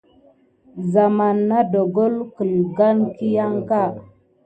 Zamane nà ɗongole gəlgane kiyan kā.